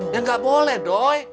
ya gak boleh doi